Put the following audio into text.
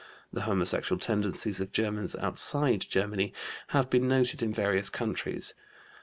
The homosexual tendencies of Germans outside Germany have been noted in various countries.